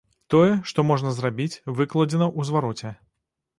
Тое, што можна зрабіць, выкладзена ў звароце.